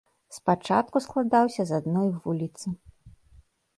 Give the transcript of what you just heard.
Спачатку складаўся з адной вуліцы.